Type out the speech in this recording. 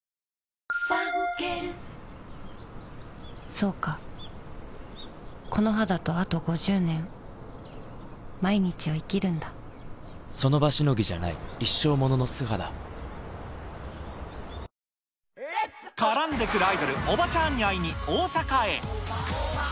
そうかこの肌とあと５０年その場しのぎじゃない一生ものの素肌絡んでくるアイドル、オバチャーンに会いに大阪へ。